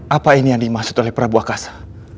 apa ini yang dimaksud oleh prabu akasa